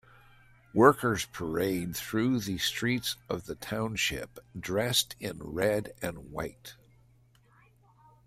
Workers parade through the streets of the township dressed in red and white.